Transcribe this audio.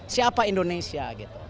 siapa indonesia gitu